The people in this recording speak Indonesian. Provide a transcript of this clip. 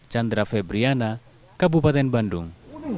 chandra febriana kabupaten bandung